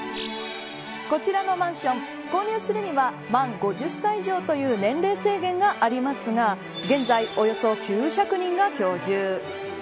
こちらのマンション購入するには満５０歳以上という年齢制限がありますが現在およそ９００人が居住。